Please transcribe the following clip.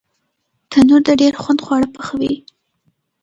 تنور د ډېر خوند خواړه پخوي